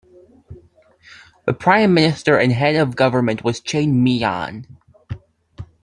The prime minister and head of government was Chang Myon.